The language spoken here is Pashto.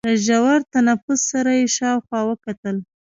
له ژور تنفس سره يې شاوخوا وکتل.